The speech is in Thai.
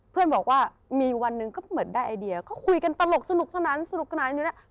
เพื่อนบอกว่ามีวันหนึ่งก็เหมือนได้ไอเดียก็คุยกันตลกสนุกสนานสนุกสนานอยู่นะ